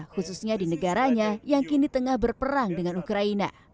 khususnya di negaranya yang kini tengah berperang dengan ukraina